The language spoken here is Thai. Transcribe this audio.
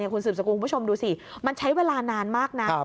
คุณสืบสกุลคุณผู้ชมดูสิมันใช้เวลานานมากนะ